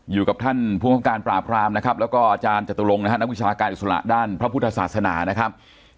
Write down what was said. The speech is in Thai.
อยู่กับท่านภูมิกับการปราบรามนะครับแล้วก็อาจารย์จตุลงนะฮะนักวิชาการอิสระด้านพระพุทธศาสนานะครับ